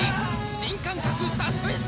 新感覚サスペンス